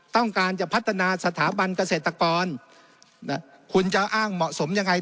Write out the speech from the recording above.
ต้องการจะพัฒนาสถาบันเกษตรกรคุณจะอ้างเหมาะสมยังไง